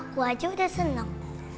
gue aja udah seneng